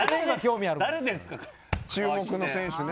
注目の選手ね。